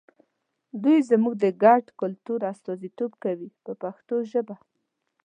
دوی زموږ د ګډ کلتور استازیتوب کوي په پښتو ژبه.